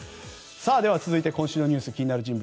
では続いて今週の気になる人物